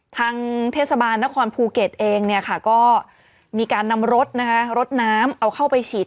ทางเทศบาลนครภูเก็ตเองก็มีการนำรถนะคะรถน้ำเอาเข้าไปฉีด